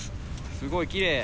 すごいきれい。